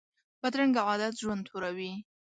بدرنګه عادت ژوند توروي